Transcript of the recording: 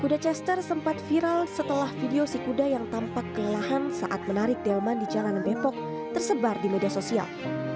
kuda chester sempat viral setelah video si kuda yang tampak kelelahan saat menarik delman di jalanan depok tersebar di media sosial